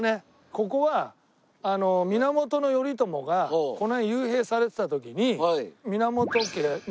ここは源頼朝がこの辺に幽閉されてた時に源家ま